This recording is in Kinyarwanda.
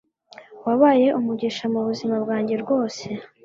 wabaye umugisha mubuzima bwanjye rwose